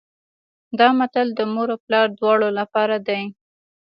دا متل د مور او پلار دواړو لپاره دی